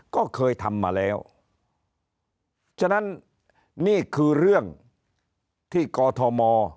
ก็เคยทำมาแล้วฉะนั้นนี่คือเรื่องที่กอทม